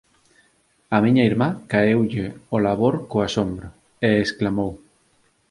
Á miña irmá caeulle o labor co asombro, e exclamou: